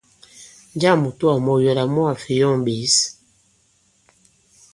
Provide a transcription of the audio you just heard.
Njâŋ mùtoà mu ɔ yɔ àlà mu ka-fè yɔ̀ŋ ɓěs?